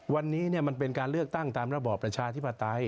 วันนี้มันเป็นการเลือกตั้งตามระบอบประชาธิปไตย